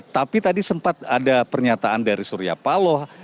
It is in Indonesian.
tapi tadi sempat ada pernyataan dari surya paloh